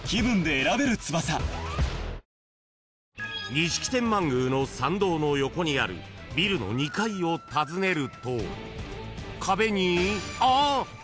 ［錦天満宮の参道の横にあるビルの２階を訪ねると壁にああっ！